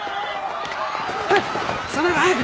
早く。